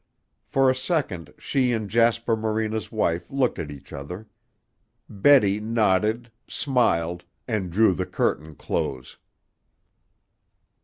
For a second she and Jasper Morena's wife looked at each other. Betty nodded, smiled, and drew the curtain close.